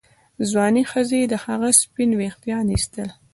ځوانې ښځې د هغه سپین ویښتان ایستل.